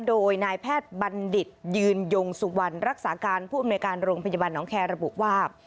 โดยนายแพทย์บัณฑิตยืนยงสุวรรณรักษาการผู้อำนวยการโรงพยาบาลน้องแคร์ระบุว่า